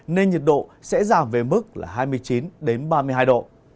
nên nhiệt độ sẽ giảm về mức là hai mươi chín ba mươi hai độ